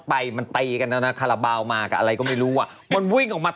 ฉันก็นิ่งไปนิ่งนิ่งนิดว่าให้มันรู้ว่าจังหวะที่มันไม่มา